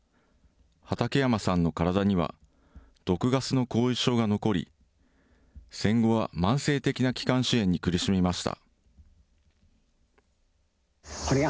畠山さんの体には毒ガスの後遺症が残り、戦後は慢性的な気管支炎に苦しみました。